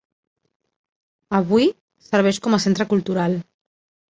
Avui, serveix com a centre cultural.